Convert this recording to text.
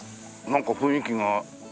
なんか雰囲気が。